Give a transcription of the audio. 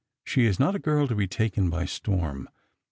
She is not a girl to be taken by storm.